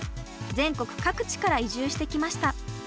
全国各地から移住してきました。